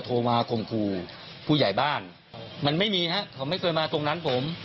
โทรมาข่มขู่ผู้ใหญ่บ้านมันไม่มีฮะเขาไม่เคยมาตรงนั้นผม